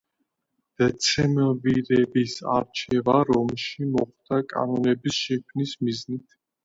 დეცემვირების არჩევა რომში მოხდა კანონების შექმნის მიზნით.